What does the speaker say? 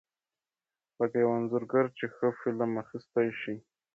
لکه یو انځورګر چې ښه فلم اخیستی شي.